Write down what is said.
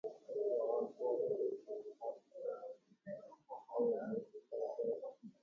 aikuaáko ndepochyhague ahahaguére Francia retãme